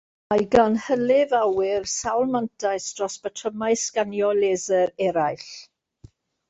Mae gan hylif awyr sawl mantais dros batrymau sganio laser eraill.